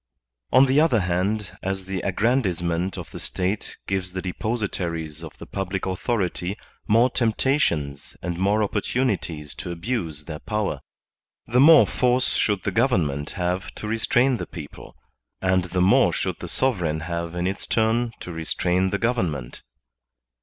On the other hand, as the aggrandizement of the State gives the depositaries of the public authority more tempta tions and more opportunities to abuse their power, the more force should the government have to restrain the people, and the more should the sovereign have in its turn to restrain the government.